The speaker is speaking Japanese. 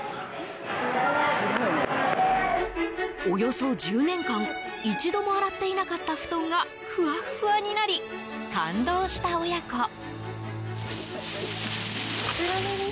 およそ１０年間一度も洗っていなかった布団がふわふわになり、感動した親子。